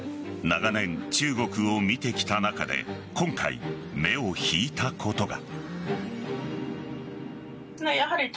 長年、中国を見てきた中で今回、目を引いたことが。